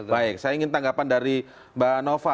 baik saya ingin tanggapan dari mbak nova